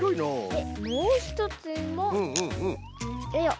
でもうひとつもよいしょ。